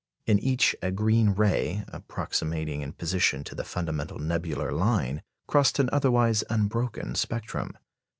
In each a green ray, approximating in position to the fundamental nebular line, crossed an otherwise unbroken spectrum.